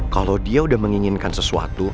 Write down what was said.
kalau dia udah menginginkan sesuatu